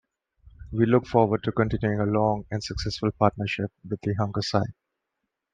We look forward to continuing a long and successful partnership with The Hunger Site.